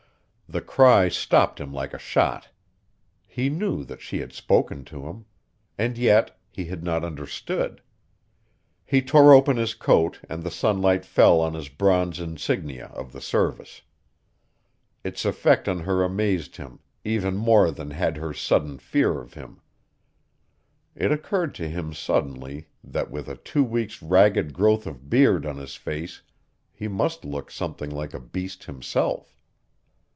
The cry stopped him like a shot. He knew that she had spoken to him. And yet he had not understood! He tore open his coat and the sunlight fell on his bronze insignia of the Service. Its effect on her amazed him even more than had her sudden fear of him. It occurred to him suddenly that with a two weeks' ragged growth of beard on his face he must look something like a beast himself.